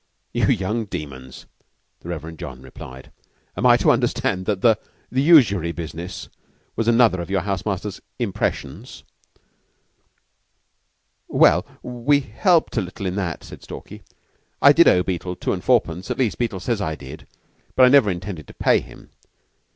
"You young demons!" the Reverend John replied. "And am I to understand that the the usury business was another of your house master's impressions?" "Well we helped a little in that," said Stalky. "I did owe Beetle two and fourpence at least, Beetle says I did, but I never intended to pay him.